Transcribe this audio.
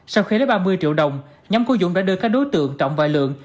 sau khi lấy ba mươi triệu đồng nhóm của dũng đã đưa các đối tượng trọng và lượng